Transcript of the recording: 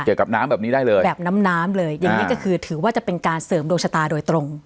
กับน้ำแบบนี้ได้เลยแบบน้ำน้ำเลยอย่างนี้ก็คือถือว่าจะเป็นการเสริมดวงชะตาโดยตรง